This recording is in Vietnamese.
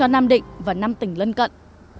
nam định và năm tỉnh lân cận